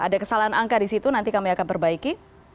ada kesalahan angka di situ nanti kami akan perbaiki